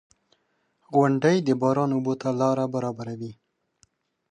• غونډۍ د باران اوبو ته لاره برابروي.